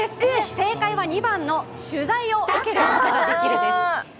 正解は２番の取材を受けることができるんです。